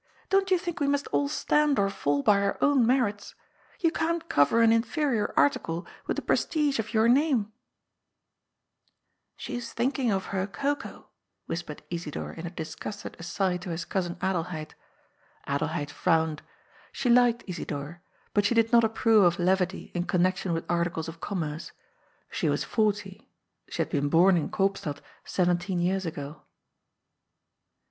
Don't you think we must all stand or fall by our own merits ? You can't coyer an inferior article with the prestige of your name !"" She is thinking of her cocoa," whispered Isidor in a disgusted aside to his cousin Adelheid. Adelheid frowned. She liked Isidor, but she did not approye of leyity in con^ nection with articles of commerce. She was forty ; she had been bom in Koopstad seyenteen years ago.